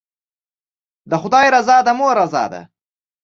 د خدای رضا د مور رضا کې ده.